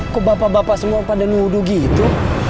kok bapak bapak semua pada nunggu gitu